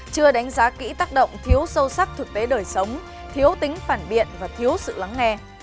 chưa đánh giá kỹ tác động thiếu sâu sắc thực tế đời sống thiếu tính phản biện và thiếu sự lắng nghe